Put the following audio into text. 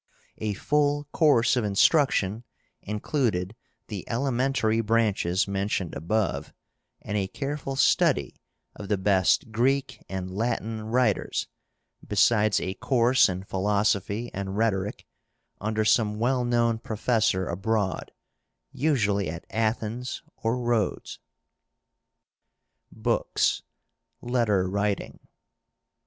A full course of instruction included the elementary branches mentioned above, and a careful study of the best Greek and Latin writers, besides a course in philosophy and rhetoric, under some well known professor abroad, usually at Athens or Rhodes. BOOKS. LETTER WRITING.